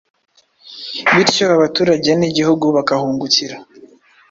bityo abaturage n’Igihugu bakahungukira.